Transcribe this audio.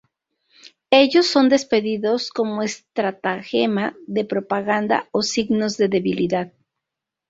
Ellos son despedidos como estratagema de propaganda o signos de debilidad.